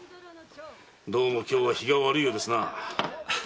どうも今日は日が悪いようですなあ。